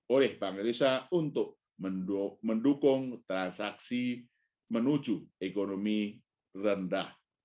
oleh bank indonesia untuk mendukung transaksi menuju ekonomi rendah